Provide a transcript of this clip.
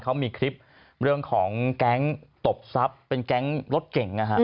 เขามีคลิปเรื่องของการโดรกรรมรถเก่ง